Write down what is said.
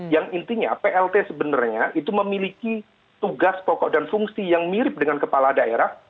yang intinya plt sebenarnya itu memiliki tugas pokok dan fungsi yang mirip dengan kepala daerah